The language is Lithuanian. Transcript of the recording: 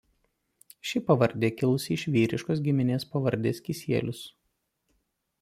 Ši pavardė kilusi iš vyriškos giminės pavardės Kisielius.